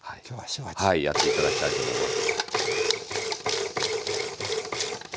やって頂きたいと思います。